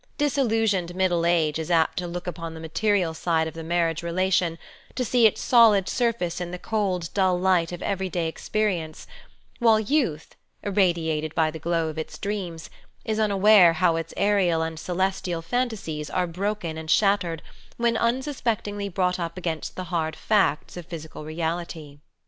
Disillusioned middle age is apt to look upon the material side of the marriage relation, to see its solid surface in the cold, dull light of everyday experi ence;, while youth, irradiated by the glow of its dreams, is unaware how its aerial and celestial phantasies are broken and shattered when unsus pectingly brought up against the hard facts of physical reality.